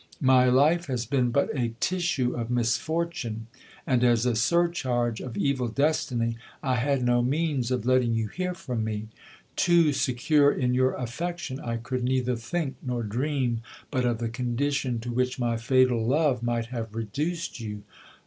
My life has been but a tissue of misfortune ; and, as a surcharge of evil destiny, I had no means of letting you hear from me. Too secure in your affection, I could neither think nor dream but of the condition to which my fatal love might have reduced you.